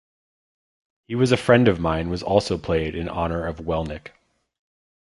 "He Was a Friend of Mine" was also played in honor of Welnick.